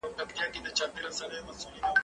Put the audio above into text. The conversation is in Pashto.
سندري واوره!؟